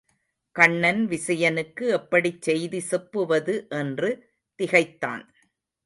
கண்ணன் விசயனுக்கு எப்படிச் செய்தி செப்புவது என்று திகைத்தான்.